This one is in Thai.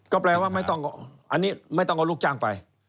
ก็แปลว่าอันนี้ไม่ต้องเอาลูกจ้างไป